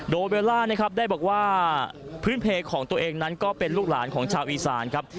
โดยเบลล่านะครับได้บอกว่าพื้นเพลย์ของตัวเองนั้นก็เป็นลูกหลานของชาวอีสานครับ